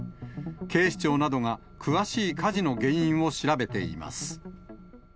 警視庁などが詳しい火事の原因を調べています。